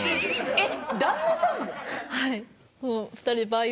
えっ？